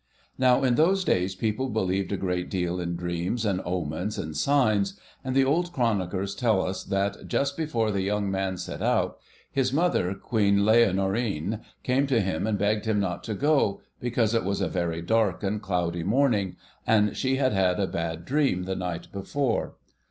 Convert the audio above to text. Now, in those days people believed a great deal in dreams, and omens, and signs, and the old chroniclers tell us that, just before the young man set out, his mother, Queen Laonorine, came to him, and begged him not to go, because it was a very dark and cloudy morning, and she had had a bad dream the night before.